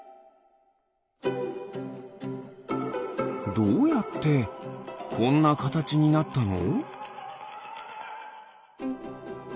どうやってこんなカタチになったの？